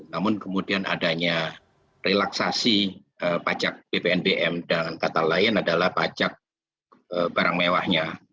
namun kemudian adanya relaksasi pajak bpnbm dan kata lain adalah pajak barang mewahnya